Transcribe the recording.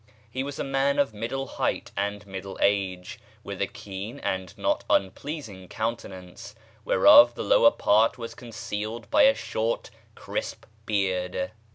He was a man of middle height and middle age, with a keen and not unpleasing countenance, whereof the lower part was concealed by a short crisp beard.